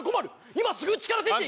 今すぐうちから出ていけ！